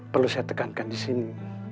perlu saya tekankan disini